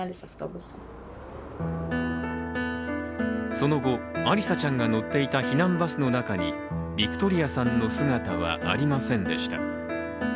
その後、アリサちゃんが乗っていた避難バスの中にビクトリアさんの姿はありませんでした。